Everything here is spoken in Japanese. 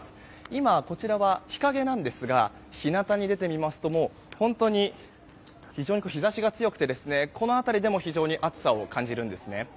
今、こちらは日陰なんですが日なたに出てみますともう本当に非常に日差しが強くてこの辺りでも非常に暑さを感じるんですね。